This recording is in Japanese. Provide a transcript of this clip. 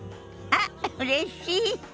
あっうれしい。